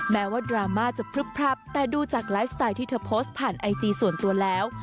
แม้ว่าดราม่าจะพลึบพลับแต่ดูจากไลฟ์สไตล์ที่เธอโพสต์ผ่านไอจีส่วนตัวแล้ว